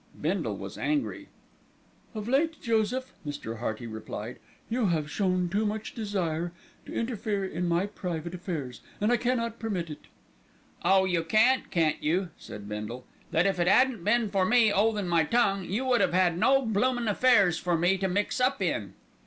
Bindle was angry. "Of late, Joseph," Mr. Hearty replied, "you have shown too much desire to interfere in my private affairs, and I cannot permit it." "Oh! you can't, can't you?" said Bindle. "Don't you forget, ole sport, that if it 'adn't a been for me 'oldin' my tongue, you wouldn't 'ave 'ad no bloomin' affairs for me to mix up in."